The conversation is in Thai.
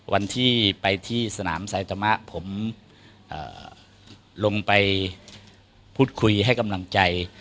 วันที่ไปที่สนามสายตมะผมลงไปพูดคุยให้กำลังใจ